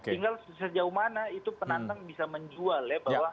tinggal sejauh mana itu penantang bisa menjual